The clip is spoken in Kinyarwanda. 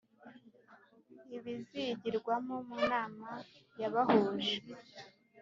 ibizigirwamo munama yabahuje